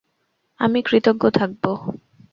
আমি কৃতজ্ঞ থাকব।